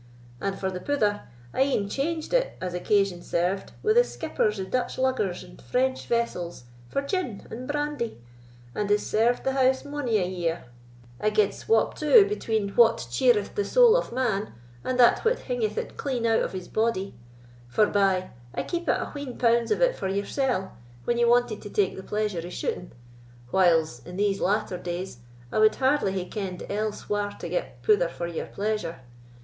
And for the pouther, I e'en changed it, as occasion served, with the skippers o' Dutch luggers and French vessels, for gin and brandy, and is served the house mony a year—a gude swap too, between what cheereth the soul of man and that which hingeth it clean out of his body; forbye, I keepit a wheen pounds of it for yoursell when ye wanted to take the pleasure o' shooting: whiles, in these latter days, I wad hardly hae kenn'd else whar to get pouther for your pleasure.